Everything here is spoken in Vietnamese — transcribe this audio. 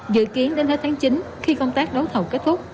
dự kiến đến hết tháng chín khi công tác đấu thầu kết thúc